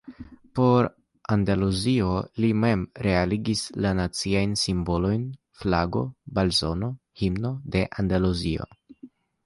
Por Andaluzio li mem realigis la naciajn simbolojn: flago, blazono, himno de Andaluzio.